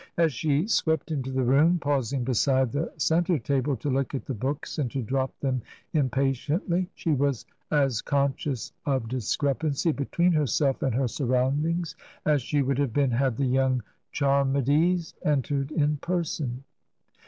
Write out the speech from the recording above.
As she swept into the room, pausing beside the centre table to look at the books and to drop them impatiently, she was as conscious of discrepancy between herself and her surroundings as she' would have been had the young Charmides entered in person.